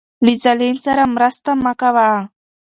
له ظالم سره مرسته مه کوه.